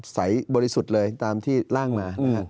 ใสบริสุทธิ์เลยตามที่ล่างมา